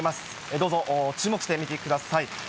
どうぞ注目して見てください。